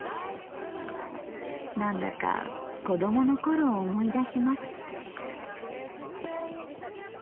何だか子供の頃を思い出します。